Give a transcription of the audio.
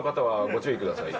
ご注意ください。